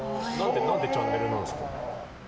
何てチャンネルなんですか？